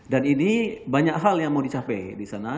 dan ini banyak hal yang mau dicapai di sana